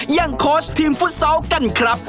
โค้ชทีมฟุตซอลกันครับ